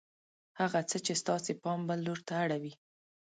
هغه څه چې ستاسې پام بل لور ته اړوي